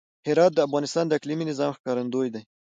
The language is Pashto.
هرات د افغانستان د اقلیمي نظام ښکارندوی دی.